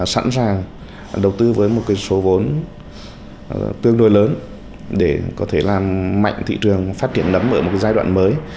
sẵn sàng đầu tư với một số vốn tương đối lớn để có thể làm mạnh thị trường phát triển nấm ở một giai đoạn mới